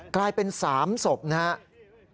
กลายเป็น๓ศพนะครับ